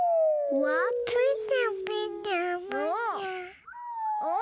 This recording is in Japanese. うわお！